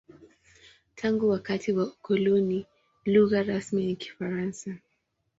Tangu wakati wa ukoloni, lugha rasmi ni Kifaransa.